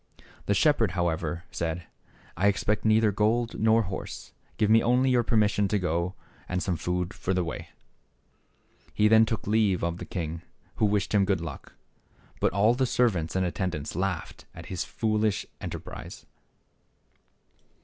The shep herd, however, said, " I expect neither gold, nor horse ; give me only your permission to go and some food for the way !" He then took leave of the king, who wished him good luck. But all the servants and attendants laughed at his foolish enterprise.